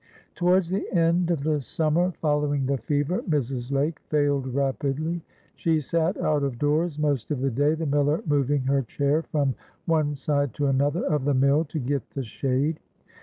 Towards the end of the summer following the fever, Mrs. Lake failed rapidly. She sat out of doors most of the day, the miller moving her chair from one side to another of the mill to get the shade.